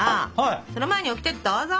その前にオキテどうぞ！